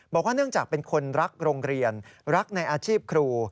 บอกว่าเนื่องจากเป็นคนรักโรงเรียนรักในอาชีพครู